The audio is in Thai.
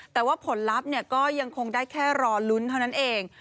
แต่ว่าผลลัพธ์ก็ยังคงได้แค่รอลุ้นเท่านั้นเอง